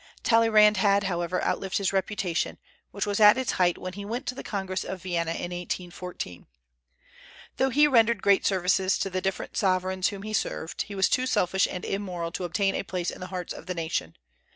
Talleyrand had, however, outlived his reputation, which was at its height when he went to the Congress of Vienna in 1814. Though he rendered great services to the different sovereigns whom he served, he was too selfish and immoral to obtain a place in the hearts of the nation.